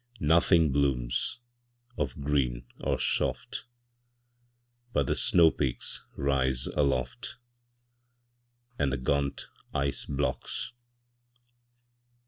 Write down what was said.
Nothing blooms of green or soft, But the snowpeaks rise aloftAnd the gaunt ice blocks.